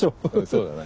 そうだな。